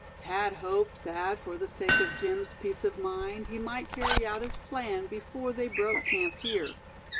Thad hoped that for the sake of Jim's peace of mind he might carry out his plan before they broke camp here.